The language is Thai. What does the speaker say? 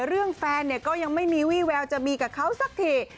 เรื่องแฟนเนี่ยก็ยังไม่มีวี่แววจะมีกับเขาสักที